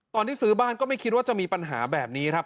ตอนที่ซื้อบ้านก็ไม่คิดว่าจะมีปัญหาแบบนี้ครับ